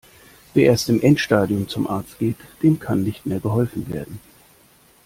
Wer erst im Endstadium zum Arzt geht, dem kann nicht mehr geholfen werden.